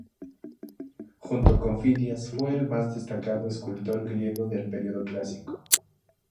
Junto con Fidias, fue el más destacado escultor griego del periodo clásico.